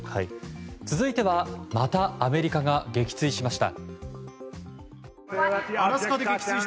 続いては、またアメリカが撃墜しました。